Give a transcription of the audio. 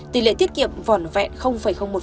tỷ lệ tiết kiệm vỏn vẹn một